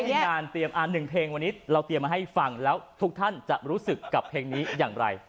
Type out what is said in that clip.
ทีมงานเตรียม๑เพลงวันนี้เราเตรียมมาให้ฟังแล้วทุกท่านจะรู้สึกกับเพลงนี้อย่างไร